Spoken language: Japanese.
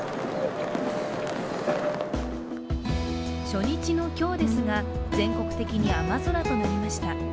初日の今日ですが、全国的に雨空となりました。